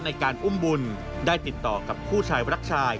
ในการอุ้มบุญได้ติดต่อกับผู้ชายรักชาย